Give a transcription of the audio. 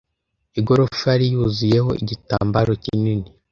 Igorofa yari yuzuyeho igitambaro kinini.